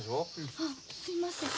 あっすいません。